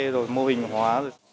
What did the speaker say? rồi mô hình hóa